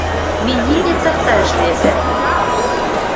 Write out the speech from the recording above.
Мин ниндәй цехта эшләйәсәкмен